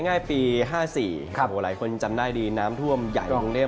อนาคตข้างหน้าจะเกิดทุก๑๐ปี